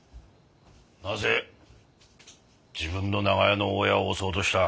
なぜ自分の長屋の大家を襲おうとした？